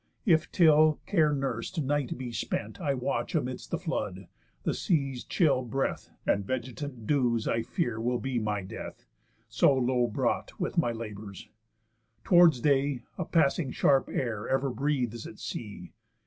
If till care nurse night be spent I watch amidst the flood, the sea's chill breath, And vegetant dews, I fear will be my death, So low brought with my labours. Towards day A passing sharp air ever breathes at sea.